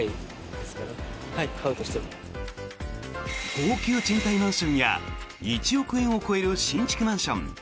高級賃貸マンションや１億円を超える新築マンション。